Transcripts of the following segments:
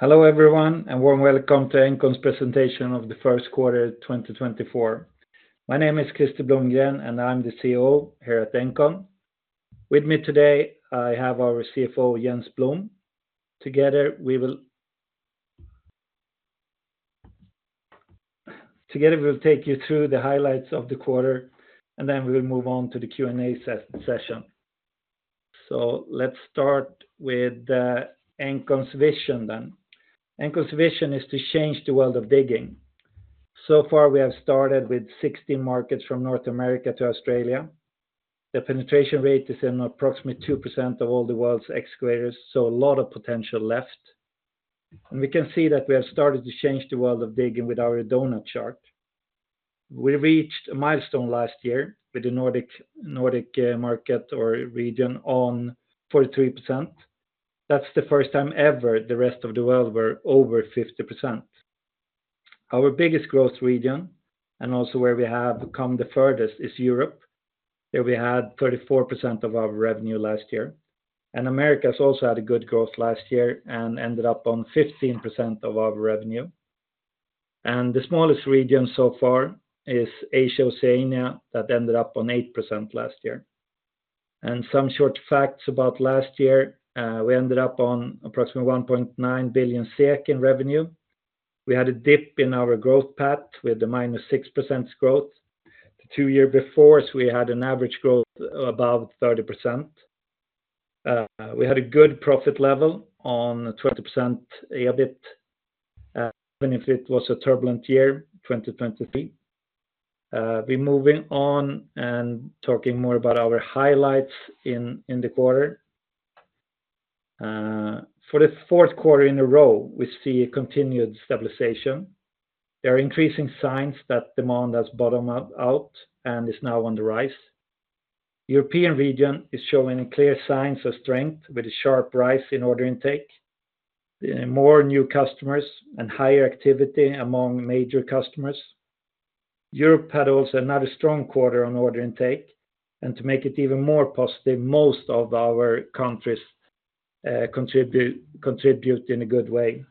Hello, everyone, and warm welcome to Engcon's Presentation of the First Quarter, 2024. My name is Krister Blomgren, and I'm the CEO here at Engcon. With me today, I have our CFO, Jens Blom. Together, we'll take you through the highlights of the quarter, and then we will move on to the Q&A session. So let's start with the Engcon's vision then. Engcon's vision is to change the world of digging. So far, we have started with 60 markets from North America to Australia. The penetration rate is in approximately 2% of all the world's excavators, so a lot of potential left. And we can see that we have started to change the world of digging with our donut chart. We reached a milestone last year with the Nordic market or region on 43%. That's the first time ever the rest of the world were over 50%. Our biggest growth region, and also where we have come the furthest, is Europe, where we had 34% of our revenue last year. And Americas also had a good growth last year and ended up on 15% of our revenue. And the smallest region so far is Asia/Oceania, that ended up on 8% last year. And some short facts about last year, we ended up on approximately 1.9 billion SEK in revenue. We had a dip in our growth path with the -6% growth. The two year before, we had an average growth above 30%. We had a good profit level on 20% EBIT, even if it was a turbulent year, 2023. We're moving on and talking more about our highlights in the quarter. For the fourth quarter in a row, we see a continued stabilization. There are increasing signs that demand has bottomed out and is now on the rise. European region is showing clear signs of strength with a sharp rise in order intake, more new customers and higher activity among major customers. Europe had also another strong quarter on order intake, and to make it even more positive, most of our countries contribute in a good way.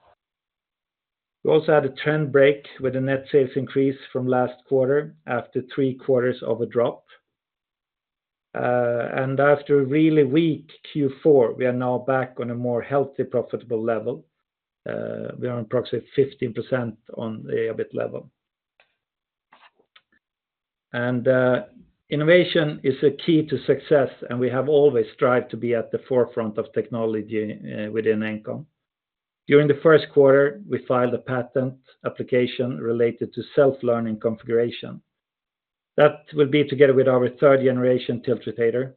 We also had a trend break with a net sales increase from last quarter after three quarters of a drop. And after a really weak Q4, we are now back on a more healthy, profitable level. We are approximately 15% on the EBIT level. Innovation is a key to success, and we have always strived to be at the forefront of technology within Engcon. During the first quarter, we filed a patent application related to self-learning configuration. That will be together with our third-generation tiltrotator,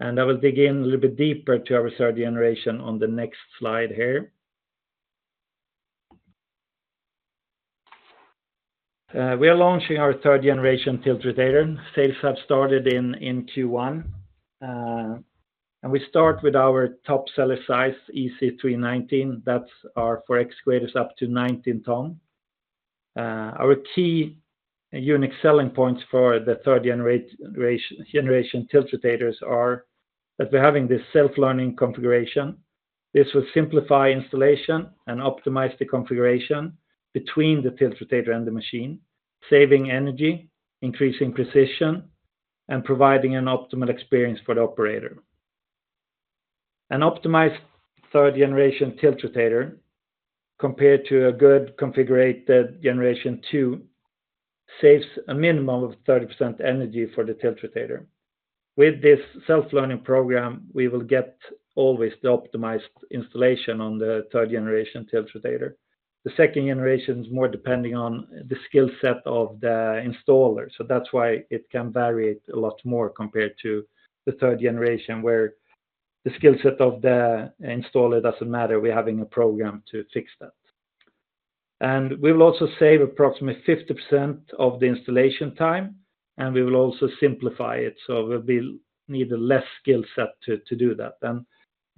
and I will dig in a little bit deeper to our third-generation on the next slide here. We are launching our third-generation tiltrotator. Sales have started in Q1, and we start with our top seller size, EC319. That's for excavators up to 19 ton. Our key unique selling points for the third-generation tiltrotators are that we're having this self-learning configuration. This will simplify installation and optimize the configuration between the tiltrotator and the machine, saving energy, increasing precision, and providing an optimal experience for the operator. An optimized third generation tiltrotator, compared to a good configured generation two, saves a minimum of 30% energy for the tiltrotator. With this self-learning program, we will get always the optimized installation on the third generation tiltrotator. The second generation is more depending on the skill set of the installer, so that's why it can vary a lot more compared to the third generation, where the skill set of the installer doesn't matter. We're having a program to fix that. We will also save approximately 50% of the installation time, and we will also simplify it, so we'll need a less skill set to do that.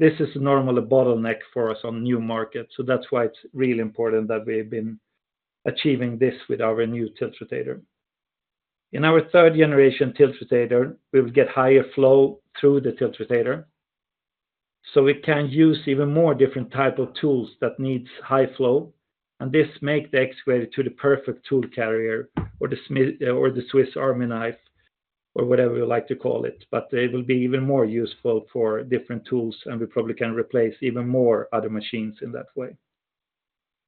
This is normally a bottleneck for us on new markets, so that's why it's really important that we've been achieving this with our new tiltrotator. In our third generation tiltrotator, we will get higher flow through the tiltrotator, so we can use even more different type of tools that needs high flow, and this make the excavator to the perfect tool carrier or the Swiss Army knife, or whatever you like to call it. But it will be even more useful for different tools, and we probably can replace even more other machines in that way.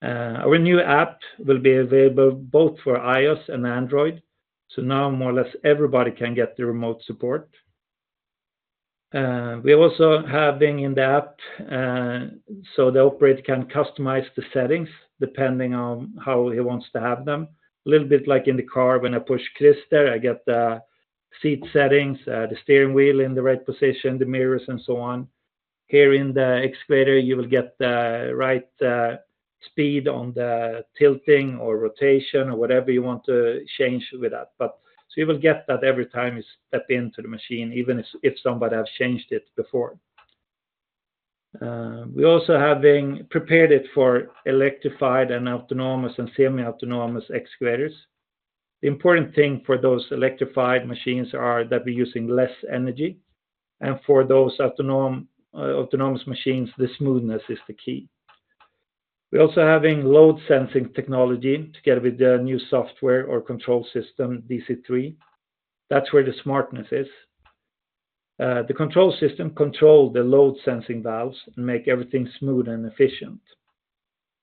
Our new app will be available both for iOS and Android, so now more or less everybody can get the remote support. We also have been in the app, so the operator can customize the settings depending on how he wants to have them. A little bit like in the car, when I push Krister, I get the seat settings, the steering wheel in the right position, the mirrors, and so on. Here in the excavator, you will get the right speed on the tilting or rotation or whatever you want to change with that. So you will get that every time you step into the machine, even if somebody have changed it before. We also have been prepared it for electrified and autonomous and semi-autonomous excavators. The important thing for those electrified machines are that we're using less energy, and for those autonomous machines, the smoothness is the key. We're also having load-sensing technology together with the new software or control system, DC3. That's where the smartness is. The control system control the load-sensing valves and make everything smooth and efficient.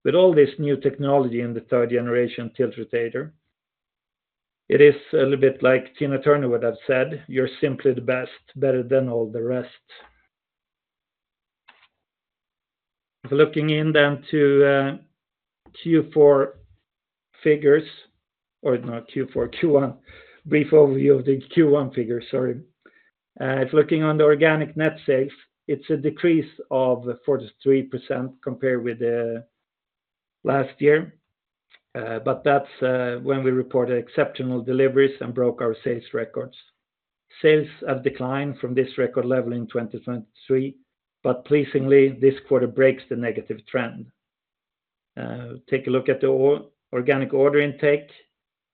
With all this new technology in the third-generation tiltrotator, it is a little bit like Tina Turner would have said, "You're simply the best, better than all the rest." Looking then into Q4 figures, or not Q4, Q1. Brief overview of the Q1 figures, sorry. If looking on the organic net sales, it's a decrease of 43% compared with the last year. But that's, when we reported exceptional deliveries and broke our sales records. Sales have declined from this record level in 2023, but pleasingly, this quarter breaks the negative trend. Take a look at the organic order intake.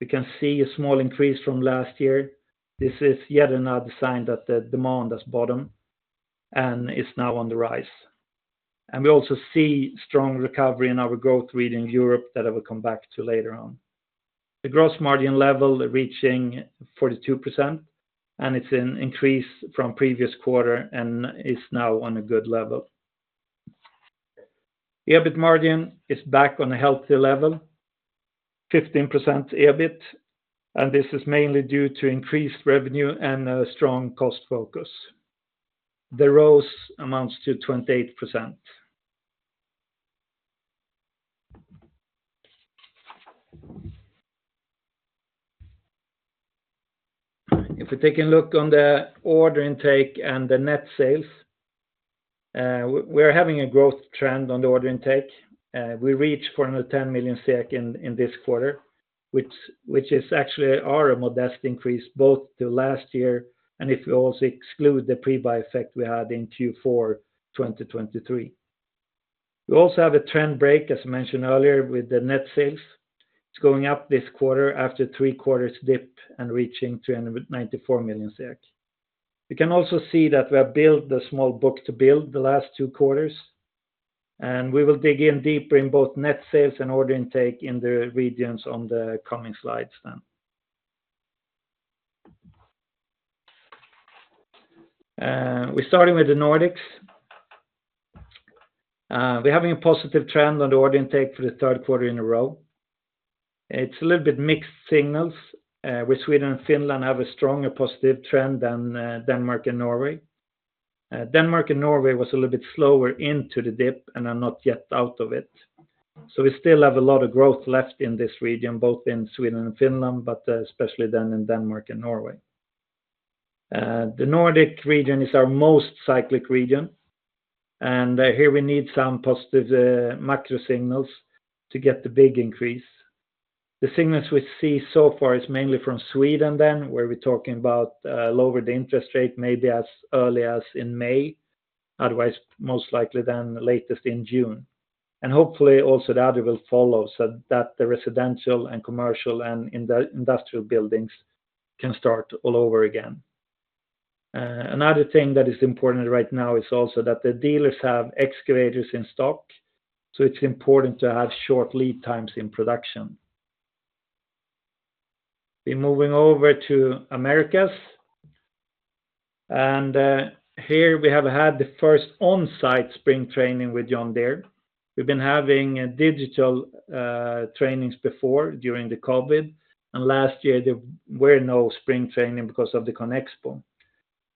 We can see a small increase from last year. This is yet another sign that the demand has bottomed and is now on the rise. We also see strong recovery in our growth rate in Europe that I will come back to later on. The gross margin level reaching 42%, and it's an increase from previous quarter and is now on a good level. EBIT margin is back on a healthy level, 15% EBIT, and this is mainly due to increased revenue and a strong cost focus. The ROCE amounts to 28%. If we take a look on the order intake and the net sales, we're having a growth trend on the order intake. We reached 410 million SEK in this quarter, which is actually are a modest increase both to last year and if we also exclude the pre-buy effect we had in Q4 2023. We also have a trend break, as mentioned earlier, with the net sales. It's going up this quarter after three quarters dip and reaching 394 million SEK. We can also see that we have built a small book to build the last two quarters, and we will dig in deeper in both net sales and order intake in the regions on the coming slides then. We're starting with the Nordics. We're having a positive trend on the order intake for the third quarter in a row. It's a little bit mixed signals with Sweden and Finland have a stronger positive trend than Denmark and Norway. Denmark and Norway was a little bit slower into the dip, and are not yet out of it. So we still have a lot of growth left in this region, both in Sweden and Finland, but especially then in Denmark and Norway. The Nordic region is our most cyclic region, and here we need some positive macro signals to get the big increase. The signals we see so far is mainly from Sweden, then, where we're talking about lowered interest rate, maybe as early as in May, otherwise, most likely than the latest in June. And hopefully, also, the other will follow so that the residential and commercial and industrial buildings can start all over again. Another thing that is important right now is also that the dealers have excavators in stock, so it's important to have short lead times in production. We're moving over to Americas, and here we have had the first on-site spring training with John Deere. We've been having digital trainings before, during the COVID, and last year, there were no spring training because of the ConExpo.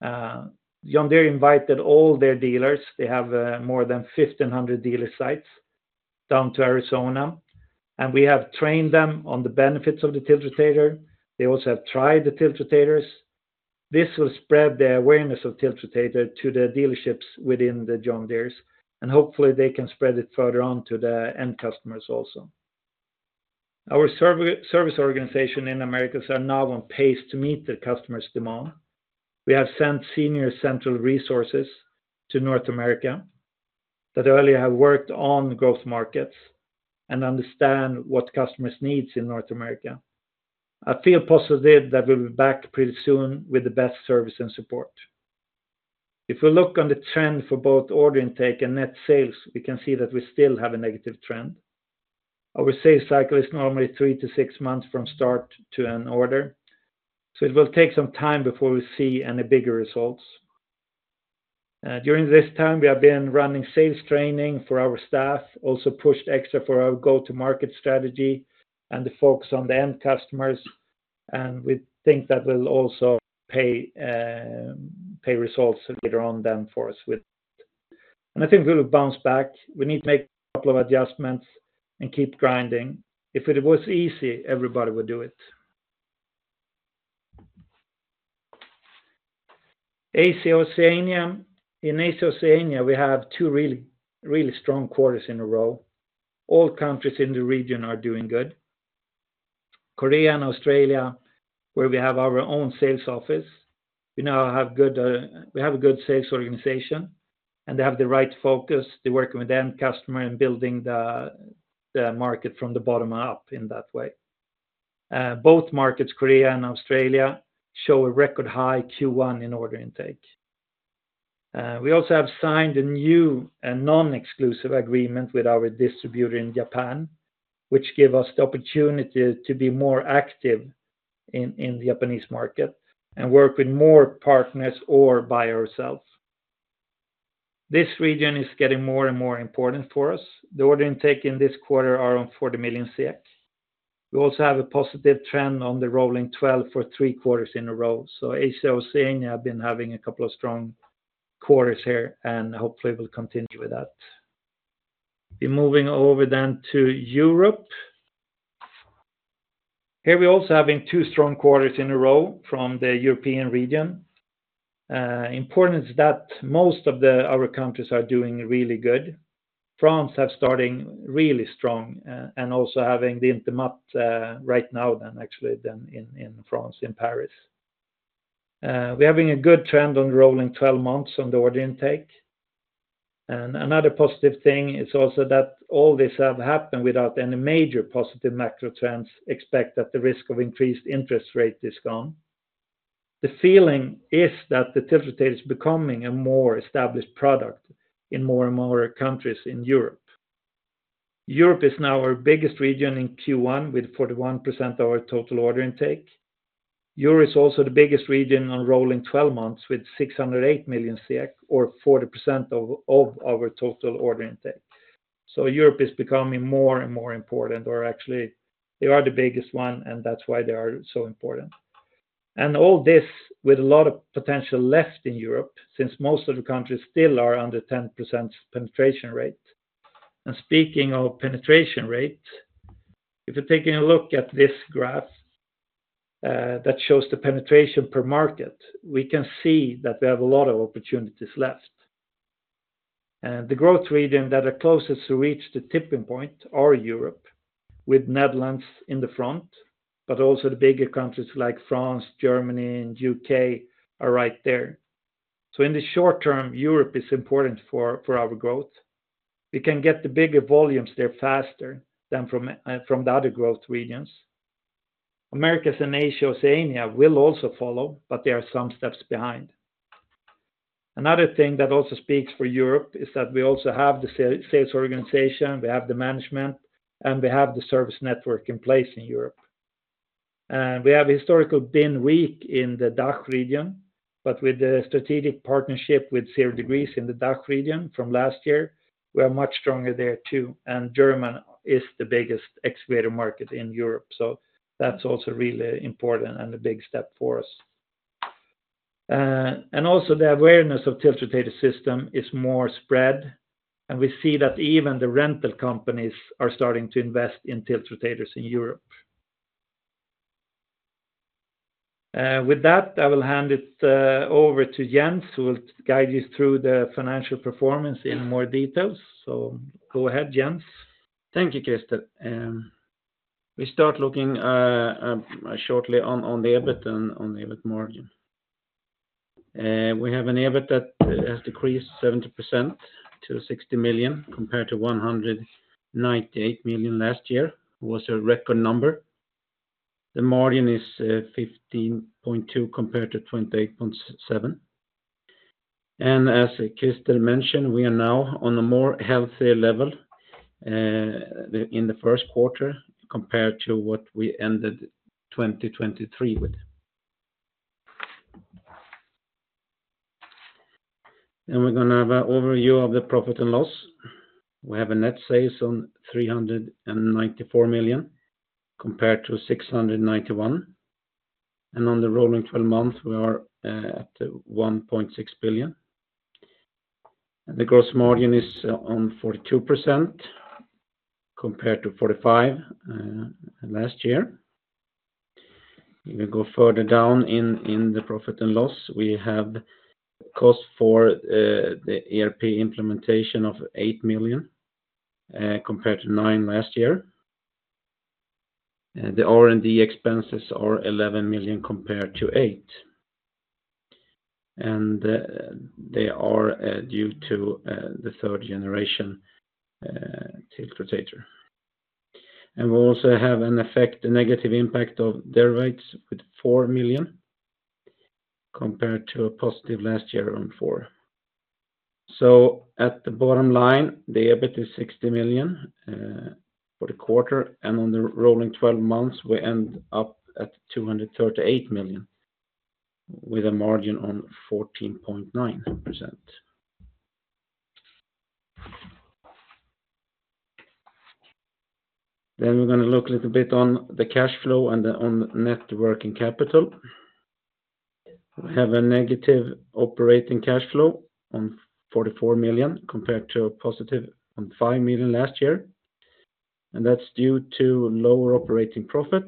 John Deere invited all their dealers, they have more than 1,500 dealer sites, down to Arizona, and we have trained them on the benefits of the tiltrotator. They also have tried the tiltrotators. This will spread the awareness of tiltrotator to the dealerships within the John Deere, and hopefully, they can spread it further on to the end customers also. Our service organization in Americas are now on pace to meet the customers' demand. We have sent senior central resources to North America, that earlier have worked on growth markets, and understand what customers needs in North America. I feel positive that we'll be back pretty soon with the best service and support. If we look on the trend for both order intake and net sales, we can see that we still have a negative trend. Our sales cycle is normally three-six months from start to an order, so it will take some time before we see any bigger results. During this time, we have been running sales training for our staff, also pushed extra for our go-to-market strategy and the focus on the end customers, and we think that will also pay, pay results later on then for us with. I think we'll bounce back. We need to make a couple of adjustments and keep grinding. If it was easy, everybody would do it. Asia-Oceania. In Asia-Oceania, we have two really, really strong quarters in a row. All countries in the region are doing good. Korea and Australia where we have our own sales office. We now have good, we have a good sales organization, and they have the right focus. They're working with the end customer and building the market from the bottom up in that way. Both markets, Korea and Australia, show a record high Q1 in order intake. We also have signed a new and non-exclusive agreement with our distributor in Japan, which give us the opportunity to be more active in the Japanese market and work with more partners or by ourselves. This region is getting more and more important for us. The order intake in this quarter are 40 million SEK. We also have a positive trend on the rolling twelve for three quarters in a row. So Asia-Oceania have been having a couple of strong quarters here, and hopefully, will continue with that. We're moving over then to Europe. Here, we're also having two strong quarters in a row from the European region. Important is that most of our countries are doing really good. France have starting really strong, and also having the Intermat, right now than actually than in, in France, in Paris. We're having a good trend on rolling twelve months on the order intake. And another positive thing is also that all this have happened without any major positive macro trends, except that the risk of increased interest rate is gone. The feeling is that the tiltrotator is becoming a more established product in more and more countries in Europe. Europe is now our biggest region in Q1, with 41% of our total order intake. Europe is also the biggest region on rolling twelve months, with 608 million SEK, or 40% of our total order intake. So Europe is becoming more and more important, or actually, they are the biggest one, and that's why they are so important. And all this with a lot of potential left in Europe, since most of the countries still are under 10% penetration rate. And speaking of penetration rate, if you're taking a look at this graph, that shows the penetration per market, we can see that we have a lot of opportunities left. The growth region that are closest to reach the tipping point are Europe, with Netherlands in the front, but also the bigger countries like France, Germany, and UK are right there. So in the short term, Europe is important for, for our growth. We can get the bigger volumes there faster than from, from the other growth regions. Americas and Asia-Oceania will also follow, but they are some steps behind. Another thing that also speaks for Europe is that we also have the sales organization, we have the management, and we have the service network in place in Europe. We have historically been weak in the DACH region, but with the strategic partnership with Zeppelin in the DACH region from last year, we are much stronger there, too, and Germany is the biggest excavator market in Europe. So that's also really important and a big step for us. And also, the awareness of tiltrotator system is more spread, and we see that even the rental companies are starting to invest in tiltrotators in Europe. With that, I will hand it over to Jens, who will guide you through the financial performance in more details. So go ahead, Jens. Thank you, Krister. We start looking shortly on the EBIT and on the EBIT margin. We have an EBIT that has decreased 70% to 60 million, compared to 198 million last year, was a record number. The margin is 15.2%, compared to 28.7%. And as Krister mentioned, we are now on a more healthier level in the first quarter, compared to what we ended 2023 with. Then we're gonna have an overview of the profit and loss. We have a net sales on 394 million, compared to 691 million, and on the rolling twelve months, we are at 1.6 billion. The gross margin is on 42%, compared to 45% last year. If we go further down in the profit and loss, we have cost for the ERP implementation of 8 million compared to 9 million last year. The R&D expenses are 11 million compared to 8 million, and they are due to the third-generation tiltrotator. And we also have an effect, a negative impact of derivatives with 4 million, compared to a positive last year on 4 million. So at the bottom line, the EBIT is 60 million for the quarter, and on the rolling twelve months, we end up at 238 million, with a margin on 14.9%. Then we're gonna look a little bit on the cash flow and on net working capital. We have a negative operating cash flow of 44 million, compared to a positive of 5 million last year, and that's due to lower operating profit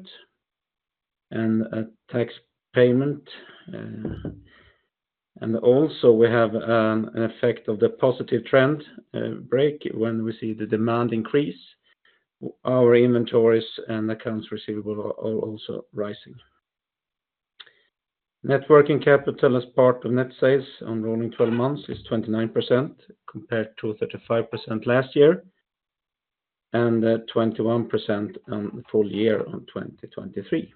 and a tax payment. Also we have an effect of the positive trend break when we see the demand increase. Our inventories and accounts receivable are also rising. Net working capital as part of net sales on rolling 12 months is 29%, compared to 35% last year, and 21% on the full year on 2023.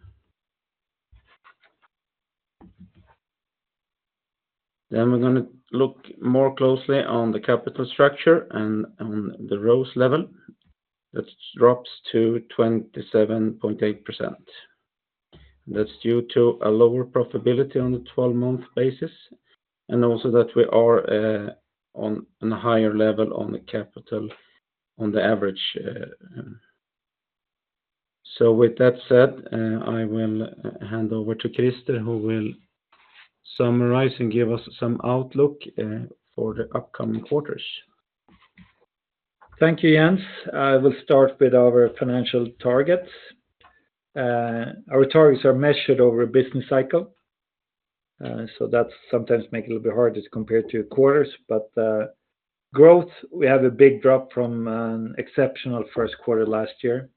We're gonna look more closely on the capital structure and on the ROCE level. That drops to 27.8%. That's due to a lower profitability on the 12-month basis, and also that we are on a higher level on the capital, on the average. So with that said, I will hand over to Krister, who will summarize and give us some outlook for the upcoming quarters. Thank you, Jens. I will start with our financial targets. Our targets are measured over a business cycle, so that sometimes make it a little bit harder to compare to quarters. But, growth, we have a big drop from an exceptional first quarter last year.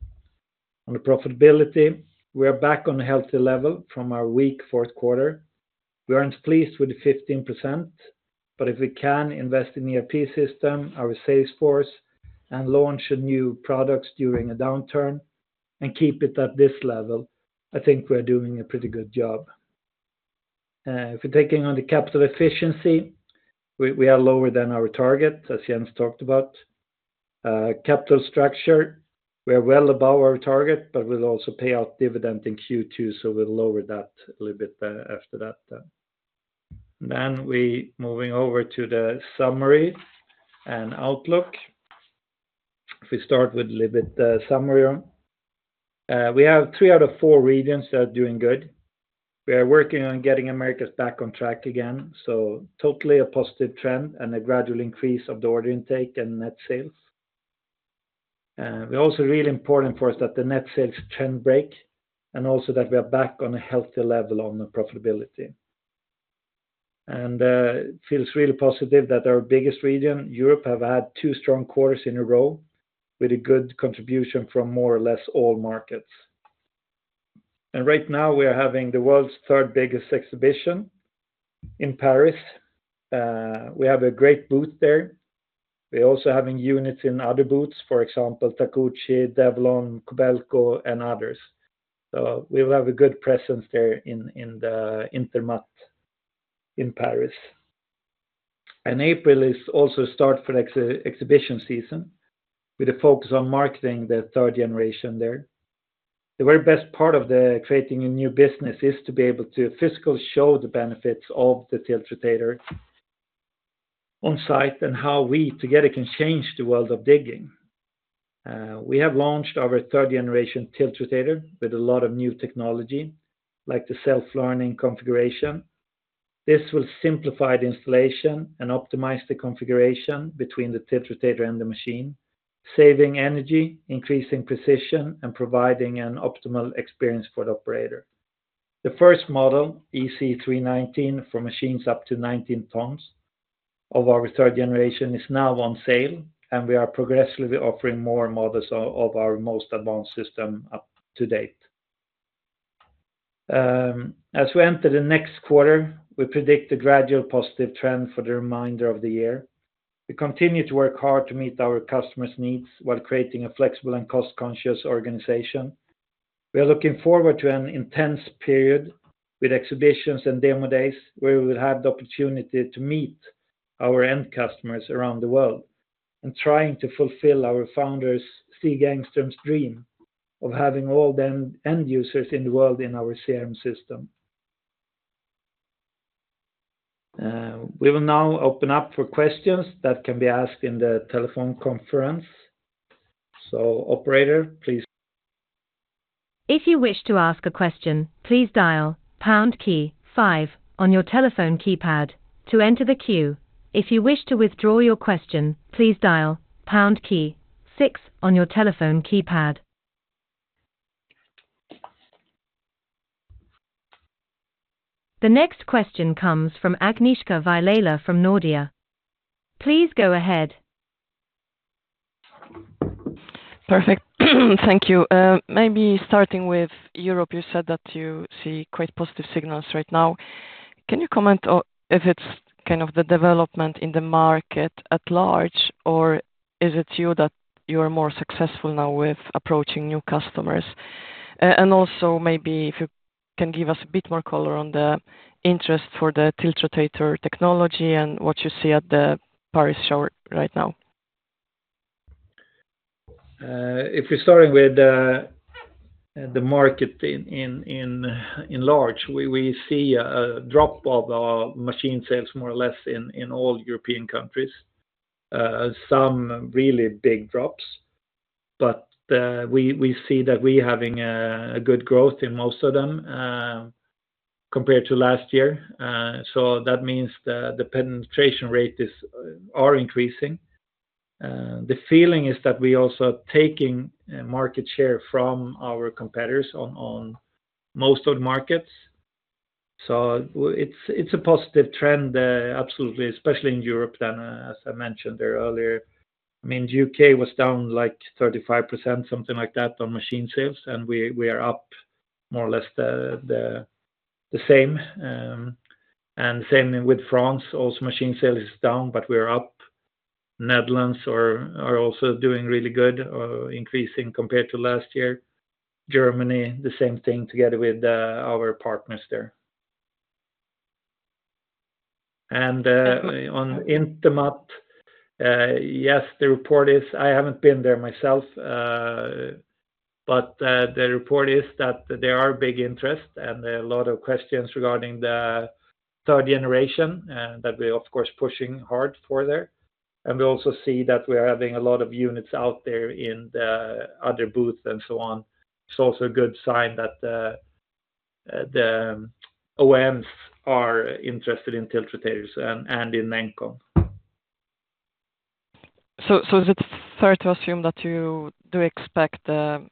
On the profitability, we are back on a healthy level from our weak fourth quarter. We aren't pleased with the 15%, but if we can invest in ERP system, our sales force, and launch new products during a downturn, and keep it at this level, I think we're doing a pretty good job. If we're taking on the capital efficiency, we, we are lower than our target, as Jens talked about. Capital structure, we are well above our target, but we'll also pay out dividend in Q2, so we'll lower that a little bit, after that. Then we're moving over to the summary and outlook. If we start with a little bit, summary, we have three out of four regions that are doing good. We are working on getting Americas back on track again, so totally a positive trend and a gradual increase of the order intake and net sales. We're also really important for us that the net sales trend break, and also that we are back on a healthier level on the profitability. And feels really positive that our biggest region, Europe, have had two strong quarters in a row, with a good contribution from more or less all markets. And right now, we are having the world's third-biggest exhibition in Paris. We have a great booth there. We're also having units in other booths, for example, Takeuchi, Develon, Kobelco, and others. So we will have a good presence there in the Intermat in Paris. And April is also the start of the exhibition season, with a focus on marketing the third generation there. The very best part of creating a new business is to be able to physically show the benefits of the tiltrotator on site and how we, together, can change the world of digging. We have launched our third-generation tiltrotator with a lot of new technology, like the self-learning configuration. This will simplify the installation and optimize the configuration between the tiltrotator and the machine, saving energy, increasing precision, and providing an optimal experience for the operator. The first model, EC319, for machines up to 19 tons of our third generation, is now on sale, and we are progressively offering more models of our most advanced system up to date. As we enter the next quarter, we predict a gradual positive trend for the remainder of the year. We continue to work hard to meet our customers' needs while creating a flexible and cost-conscious organization. We are looking forward to an intense period with exhibitions and demo days, where we will have the opportunity to meet our end customers around the world, and trying to fulfill our founder's, Stig Engström's dream of having all the end users in the world in our CRM system. We will now open up for questions that can be asked in the telephone conference. So operator, please. If you wish to ask a question, please dial pound key five on your telephone keypad to enter the queue. If you wish to withdraw your question, please dial pound key six on your telephone keypad. The next question comes from Agnieszka Vilela from Nordea. Please go ahead. Perfect. Thank you. Maybe starting with Europe, you said that you see quite positive signals right now. Can you comment on if it's kind of the development in the market at large, or is it you that you are more successful now with approaching new customers? And also maybe if you can give us a bit more color on the interest for the tiltrotator technology and what you see at the Paris show right now. If we're starting with the market in large, we see a drop of our machine sales more or less in all European countries. Some really big drops, but we see that we having a good growth in most of them, compared to last year. So that means the penetration rate is increasing. The feeling is that we also are taking market share from our competitors on most of the markets. So it's a positive trend, absolutely, especially in Europe, then, as I mentioned there earlier, I mean, UK was down, like, 35%, something like that, on machine sales, and we are up more or less the same. And same with France, also machine sale is down, but we are up. Netherlands are also doing really good, increasing compared to last year. Germany, the same thing together with our partners there. On Intermat, yes, the report is. I haven't been there myself, but the report is that there are big interest and a lot of questions regarding the third generation that we're, of course, pushing hard for there. We also see that we're having a lot of units out there in the other booths and so on. It's also a good sign that the OEMs are interested in tilt rotators and in Engcon. So, is it fair to assume that you do expect the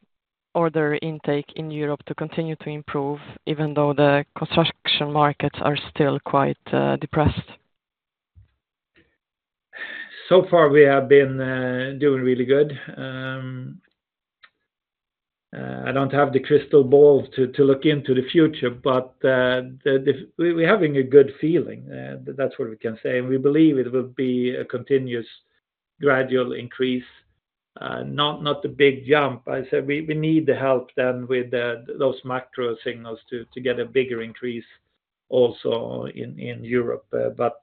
order intake in Europe to continue to improve, even though the construction markets are still quite depressed? So far, we have been doing really good. I don't have the crystal ball to look into the future, but the—we're having a good feeling, that's what we can say, and we believe it will be a continuous gradual increase, not a big jump. I said, we need the help then with those macro signals to get a bigger increase also in Europe. But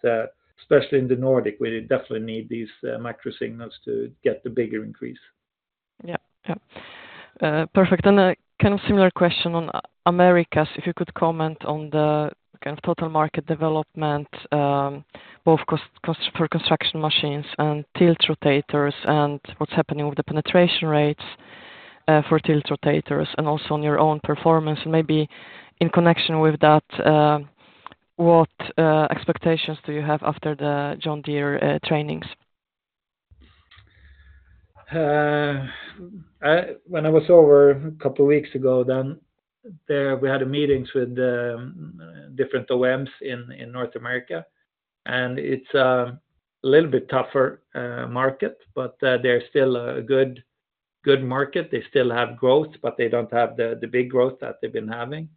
especially in the Nordic, we definitely need these macro signals to get the bigger increase. Yeah. Yeah. Perfect. Then a kind of similar question on Americas. If you could comment on the kind of total market development, both construction machines and tiltrotators, and what's happening with the penetration rates for tiltrotators, and also on your own performance, and maybe in connection with that, what expectations do you have after the John Deere trainings? When I was over a couple of weeks ago, then there we had meetings with the different OEMs in North America, and it's a little bit tougher market, but they're still a good, good market. They still have growth, but they don't have the big growth that they've been having.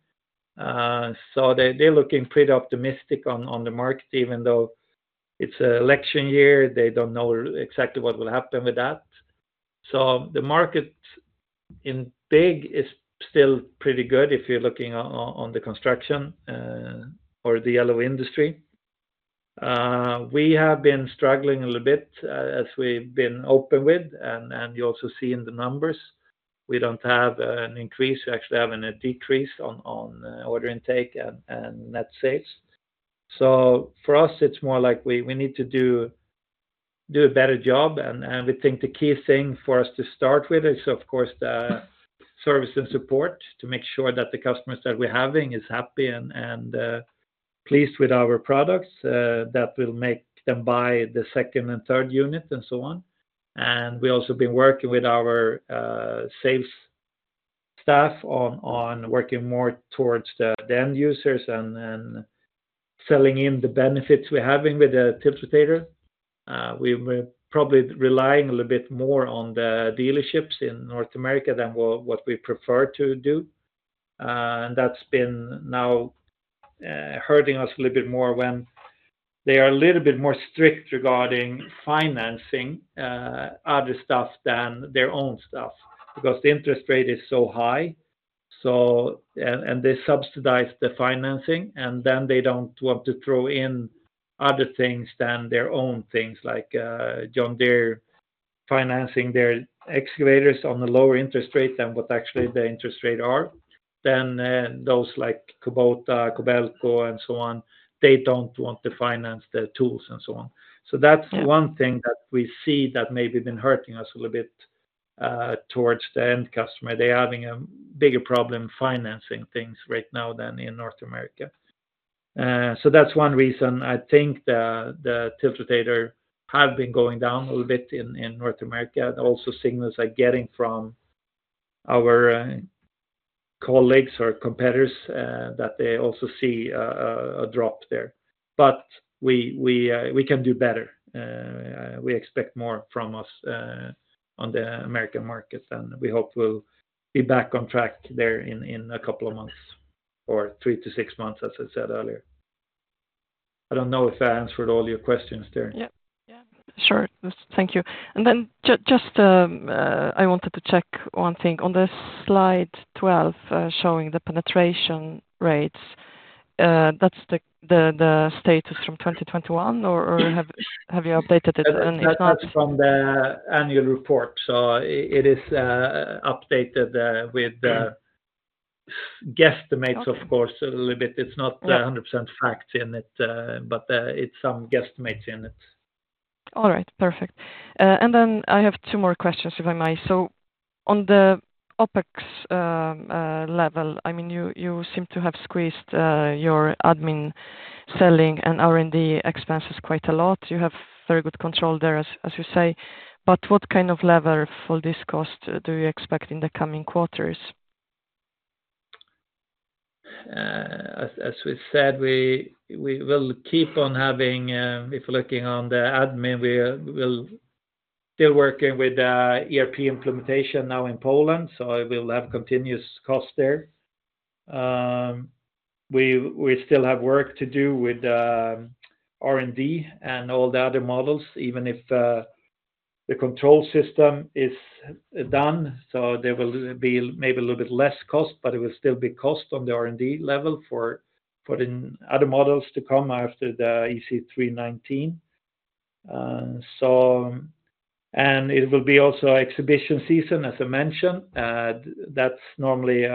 So they, they're looking pretty optimistic on the market, even though it's an election year. They don't know exactly what will happen with that. So the market in big is still pretty good if you're looking on the construction or the yellow industry. We have been struggling a little bit as we've been open with, and you also see in the numbers, we don't have an increase. We're actually having a decrease on order intake and net sales. So for us, it's more like we need to do a better job, and we think the key thing for us to start with is, of course, the service and support, to make sure that the customers that we're having is happy and pleased with our products, that will make them buy the second and third unit, and so on. We also been working with our sales staff on working more towards the end users and selling in the benefits we're having with the tiltrotator. We were probably relying a little bit more on the dealerships in North America than what we prefer to do. And that's been now hurting us a little bit more when they are a little bit more strict regarding financing, other stuff than their own stuff, because the interest rate is so high. So and, and they subsidize the financing, and then they don't want to throw in other things than their own things, like, John Deere financing their excavators on a lower interest rate than what actually the interest rate are. Then, those like Kubota, Kobelco, and so on, they don't want to finance their tools and so on. Yeah. So that's one thing that we see that maybe been hurting us a little bit, towards the end customer. They're having a bigger problem financing things right now than in North America. So that's one reason I think the tiltrotator have been going down a little bit in North America. Also, signals are getting from our colleagues or competitors that they also see a drop there. But we can do better. We expect more from us on the American markets, and we hope we'll be back on track there in a couple of months, or 3-6 months, as I said earlier. I don't know if I answered all your questions there. Yeah, yeah. Sure. Thank you. And then just, I wanted to check one thing. On the slide 12, showing the penetration rates, that's the status from 2021, or have you updated it, and if not- That's from the annual report, so it is updated with the guesstimates- Okay... of course, a little bit. It's not- Yeah... 100% fact in it, but it's some guesstimates in it. All right. Perfect. And then I have two more questions, if I may. On the OpEx level, I mean, you seem to have squeezed your admin, selling, and R&D expenses quite a lot. You have very good control there, as you say, but what kind of level for this cost do you expect in the coming quarters? As we said, we will keep on having, if looking on the admin, we will still working with ERP implementation now in Poland, so I will have continuous cost there. We still have work to do with R&D and all the other models, even if the control system is done. So there will be maybe a little bit less cost, but it will still be cost on the R&D level for the other models to come after the EC319. So, and it will be also exhibition season, as I mentioned. That's normally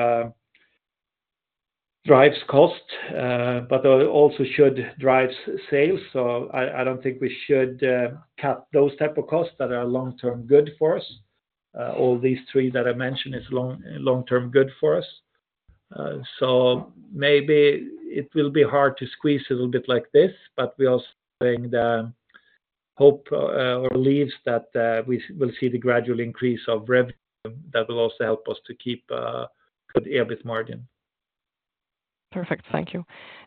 drives cost, but also should drives sales, so I don't think we should cap those type of costs that are long-term good for us. All these three that I mentioned is long-term good for us. So maybe it will be hard to squeeze a little bit like this, but we're also saying the hope or belief that we will see the gradual increase of revenue that will also help us to keep a good EBIT margin. Perfect. Thank you.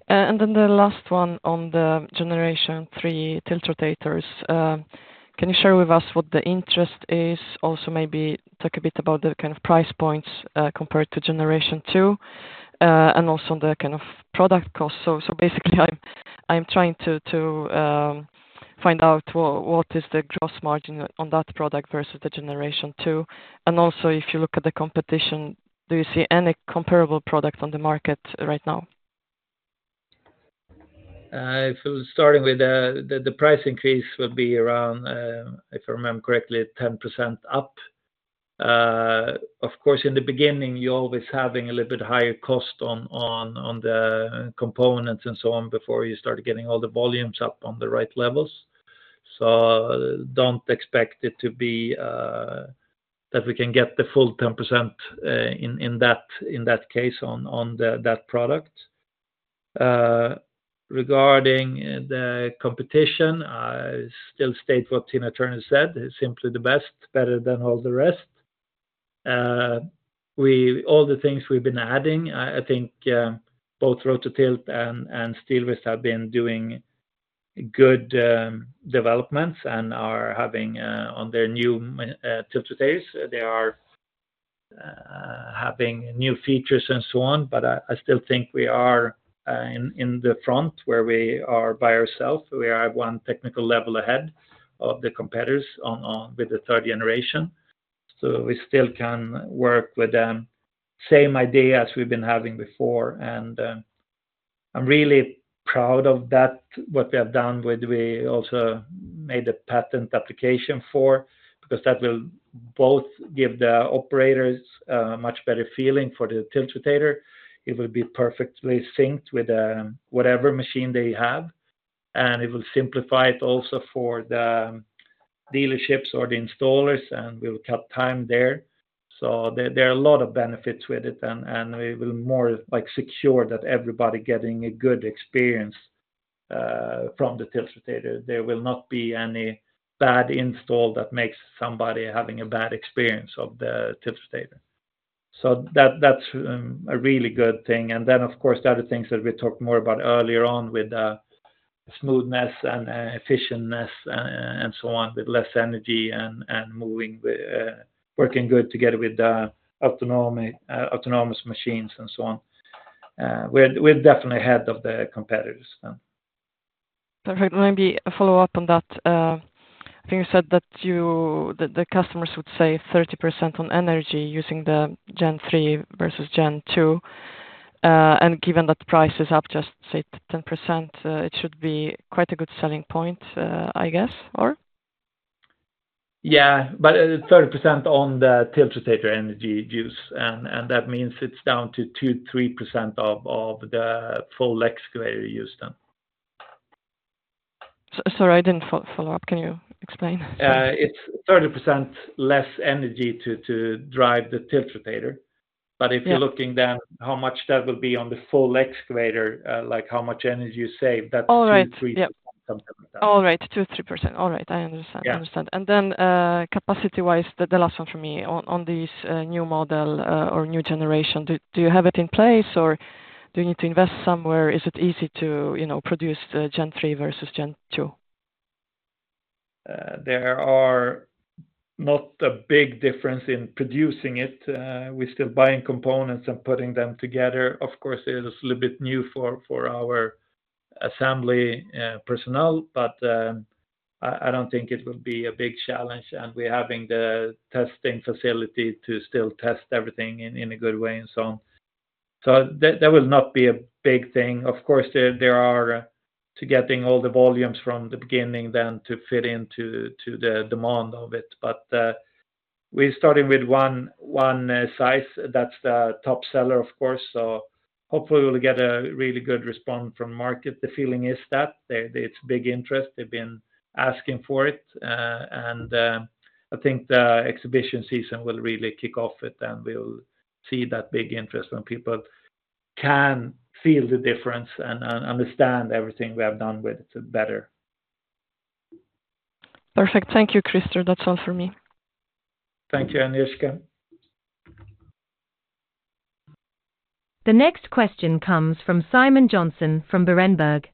And then the last one on the Generation three tiltrotators. Can you share with us what the interest is? Also, maybe talk a bit about the kind of price points, compared to Generation two, and also the kind of product cost. So basically, I'm trying to find out what the gross margin on that product versus the Generation two. And also, if you look at the competition, do you see any comparable product on the market right now? If we're starting with the price increase will be around, if I remember correctly, 10% up. Of course, in the beginning, you're always having a little bit higher cost on the components and so on, before you start getting all the volumes up on the right levels. So don't expect it to be that we can get the full 10%, in that case, on that product. Regarding the competition, I still state what Tina Turner said, "Simply the best, better than all the rest." All the things we've been adding, I think both Rototilt and Steelwrist have been doing good developments and are having on their new tiltrotators. They are having new features and so on, but I still think we are in the front where we are by ourself. We are one technical level ahead of the competitors on with the third generation, so we still can work with them. Same idea as we've been having before, and I'm really proud of that, what we have done with... We also made a patent application for, because that will both give the operators a much better feeling for the tiltrotator. It will be perfectly synced with whatever machine they have, and it will simplify it also for the dealerships or the installers, and we'll cut time there. So there are a lot of benefits with it, and we will more like secure that everybody getting a good experience from the tiltrotator. There will not be any bad install that makes somebody having a bad experience of the tiltrotator. So that, that's, a really good thing. And then, of course, the other things that we talked more about earlier on with, smoothness and, effectiveness and so on, with less energy and, and moving with, working good together with the autonomous machines and so on. We're, we're definitely ahead of the competitors now. Perfect. Maybe a follow-up on that. I think you said that the customers would save 30% on energy using the Gen three versus Gen two. And given that the price is up just, say, 10%, it should be quite a good selling point, I guess, or? Yeah, but 30% on the tiltrotator energy use, and that means it's down to 2-3% of the full excavator use then. Sorry, I didn't follow up. Can you explain? It's 30% less energy to drive the Tiltrotator. Yeah. But if you're looking then how much that will be on the full excavator, like how much energy you save, that's- All right. Two, three. Yeah. Something like that. All right, 2%-3%. All right, I understand. Yeah. Understand. And then, capacity-wise, the last one for me. On this new model or new generation, do you have it in place or do you need to invest somewhere? Is it easy to, you know, produce the Gen three versus Gen two? There are not a big difference in producing it. We're still buying components and putting them together. Of course, it is a little bit new for our assembly personnel, but I don't think it would be a big challenge, and we're having the testing facility to still test everything in a good way and so on. So that will not be a big thing. Of course, there are two: getting all the volumes from the beginning then to fit into the demand of it. But we're starting with one size, that's the top seller, of course. Hopefully, we'll get a really good response from market. The feeling is that there's big interest. They've been asking for it, and I think the exhibition season will really kick off it, and we'll see that big interest when people can feel the difference and understand everything we have done with it better. Perfect. Thank you, Krister. That's all for me. Thank you, Agnieszka. The next question comes from Simon Jonsson from Berenberg.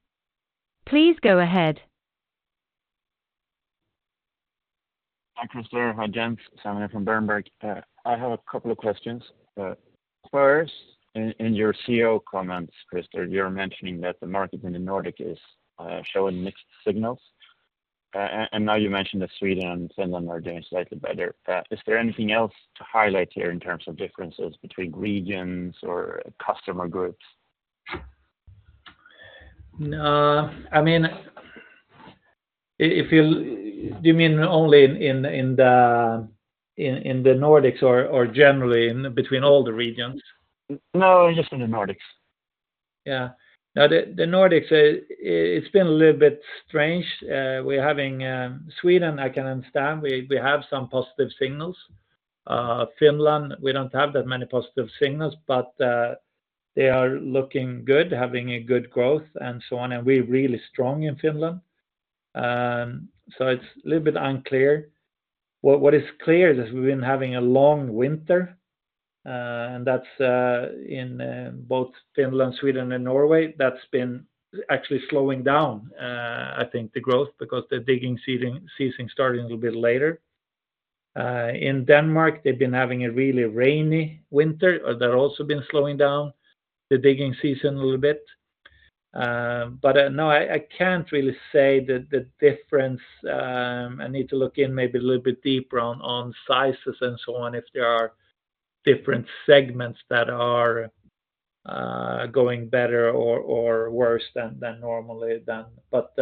Please go ahead. Hi, Krister. Hi, gents. Simon here from Berenberg. I have a couple of questions. First, in your CEO comments, Krister, you're mentioning that the market in the Nordic is showing mixed signals. And now you mentioned that Sweden and Finland are doing slightly better. Is there anything else to highlight here in terms of differences between regions or customer groups? No. I mean, do you mean only in the Nordics or generally between all the regions? No, just in the Nordics. Yeah. Now, the Nordics, it's been a little bit strange. We're having Sweden, I can understand. We have some positive signals. Finland, we don't have that many positive signals, but they are looking good, having a good growth and so on, and we're really strong in Finland. So it's a little bit unclear. What is clear is we've been having a long winter, and that's in both Finland, Sweden, and Norway. That's been actually slowing down, I think the growth because the digging season starting a little bit later. In Denmark, they've been having a really rainy winter, they're also been slowing down the digging season a little bit. But no, I can't really say that the difference. I need to look in maybe a little bit deeper on sizes and so on, if there are different segments that are going better or worse than normally then. But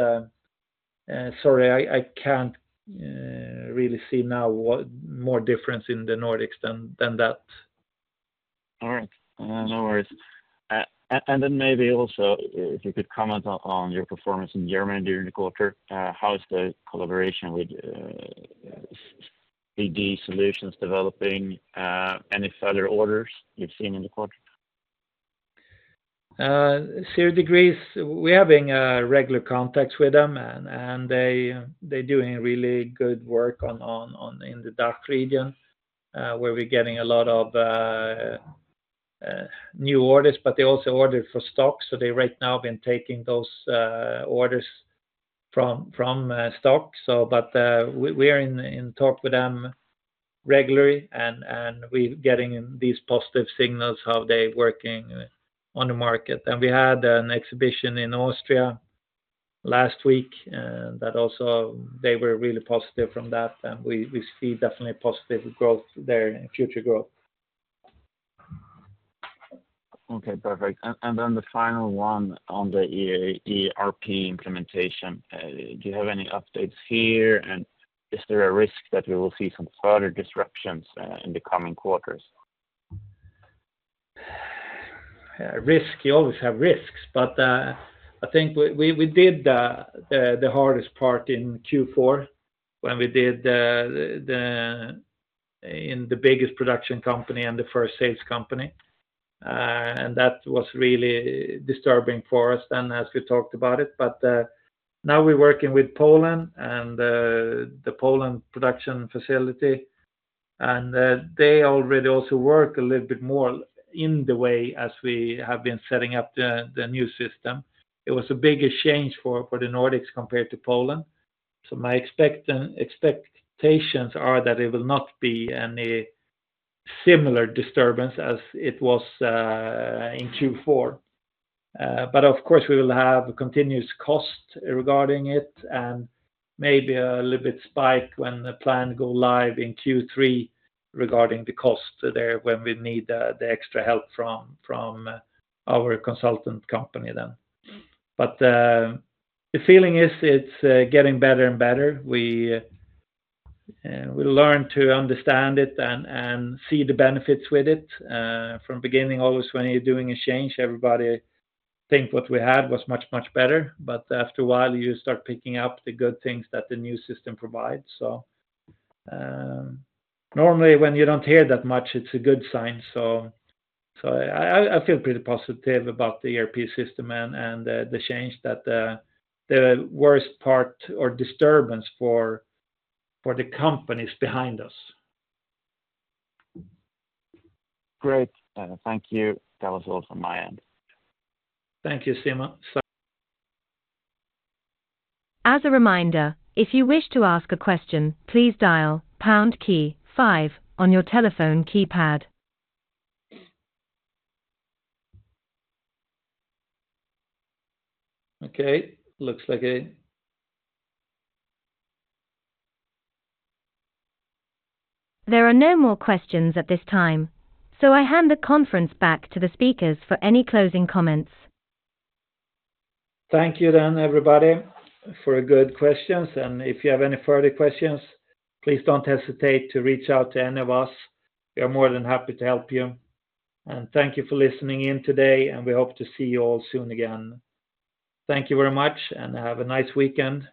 sorry, I can't really see now what more difference in the Nordics than that. All right. No worries. And then maybe also if you could comment on your performance in Germany during the quarter, how is the collaboration with Zeppelin developing? Any further orders you've seen in the quarter? Zeppelin, we're having regular contacts with them, and they, they're doing really good work on in the DACH region, where we're getting a lot of new orders, but they also order for stock. So they right now have been taking those orders from stock. But we are in talks with them regularly, and we're getting these positive signals, how they're working on the market. And we had an exhibition in Austria last week, that also they were really positive from that, and we see definitely positive growth there in future growth. Okay, perfect. And then the final one on the ERP implementation. Do you have any updates here? And is there a risk that we will see some further disruptions in the coming quarters? Risk, you always have risks, but I think we did the hardest part in Q4 when we did the in the biggest production company and the first sales company. And that was really disturbing for us then, as we talked about it. But now we're working with Poland and the Poland production facility, and they already also work a little bit more in the way as we have been setting up the new system. It was a bigger change for the Nordics compared to Poland. So my expectations are that it will not be any similar disturbance as it was in Q4. But of course, we will have continuous cost regarding it, and maybe a little bit spike when the plan go live in Q3 regarding the cost there, when we need the extra help from our consultant company then. But the feeling is it's getting better and better. We learn to understand it and see the benefits with it. From beginning, always when you're doing a change, everybody think what we had was much, much better, but after a while, you start picking up the good things that the new system provides. So, normally, when you don't hear that much, it's a good sign. So, I feel pretty positive about the ERP system and the change that the worst part or disturbance for the company is behind us. Great. Thank you. That was all from my end. Thank you, Simon. As a reminder, if you wish to ask a question, please dial pound key five on your telephone keypad. Okay, looks like a... There are no more questions at this time, so I hand the conference back to the speakers for any closing comments. Thank you then, everybody, for good questions, and if you have any further questions, please don't hesitate to reach out to any of us. We are more than happy to help you. Thank you for listening in today, and we hope to see you all soon again. Thank you very much, and have a nice weekend.